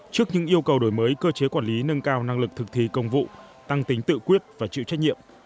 trước những yêu cầu đổi mới cơ chế quản lý nâng cao năng lực thực thi công vụ tăng tính tự quyết và chịu trách nhiệm